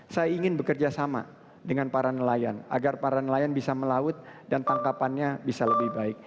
saya ingin bekerja sama dengan para nelayan agar para nelayan bisa melaut dan tangkapannya bisa lebih baik